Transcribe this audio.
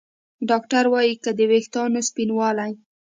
ډاکتران وايي که د ویښتانو سپینوالی